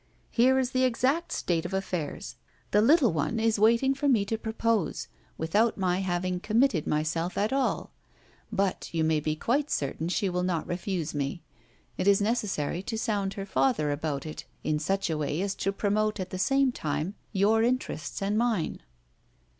Here is the exact state of affairs: The little one is waiting for me to propose, without my having committed myself at all; but, you may be quite certain she will not refuse me. It is necessary to sound her father about it in such a way as to promote, at the same time, your interests and mine."